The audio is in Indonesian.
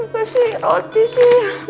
kasih roti sih